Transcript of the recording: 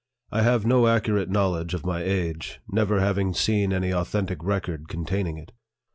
I have no accurate knowledge of my age, never having seen any authentic record containing it.